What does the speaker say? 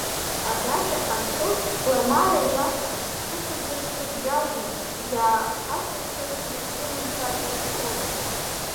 Адачахь ҳанцоз, Ламара иласҳәан, ҿысымҭырц сабжьалгеит, иааҳакәыршаз ирзеилымкаар ҳәа дшәон.